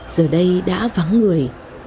giờ đây đã vắng người